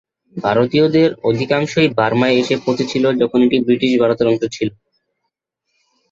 ভারতীয়দের অধিকাংশই বার্মায় এসে পৌঁছেছিল যখন এটি ব্রিটিশ ভারতের অংশ ছিল।